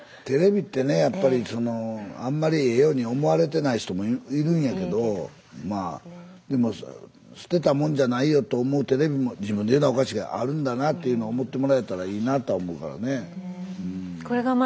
テレビってねやっぱりそのあんまりええように思われてない人もいるんやけどまあでも捨てたもんじゃないよと思うテレビも自分で言うのはおかしいけどあるんだなっていうのを思ってもらえたらいいなあとは思うからねうん。